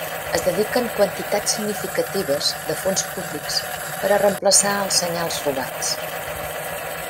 Es dediquen quantitats significatives de fons públics per a reemplaçar els senyals robats.